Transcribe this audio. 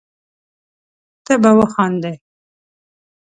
ته به وخاندي